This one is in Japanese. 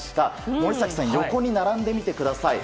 森崎さん横に並んでみてください。